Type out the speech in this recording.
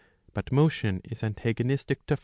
But motion is antagonistic to